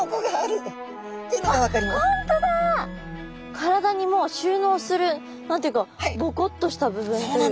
体にもう収納する何て言うかぼこっとした部分というか。